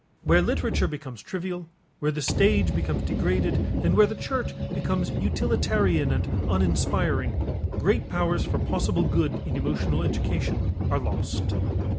Where literature becomes trivial, where the stage becomes degraded, and where the church becomes utilitarian and uninspiring, great powers for possible good in emotional education are lost.